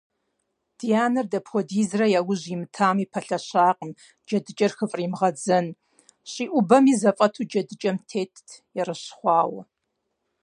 Ди анэр дапхуэдизрэ яужь имытами, пэлъэщакъым, джэдыкӀэр хыфӀримыгъэдзэн: щӀиӀубэми зэфӀэту джэдыкӀэм тетт, ерыщ хъуауэ.